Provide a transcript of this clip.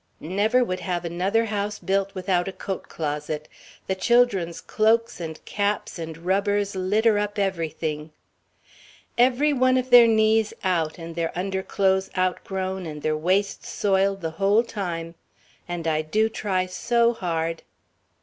never would have another house built without a coat closet. The children's cloaks and caps and rubbers litter up everything." "... every one of their knees out, and their underclothes outgrown, and their waists soiled, the whole time. And I do try so hard...."